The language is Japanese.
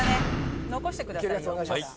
残してくださいよ。